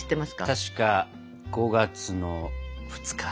確か５月の２日。